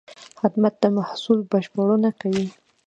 خدمت د محصول بشپړونه کوي.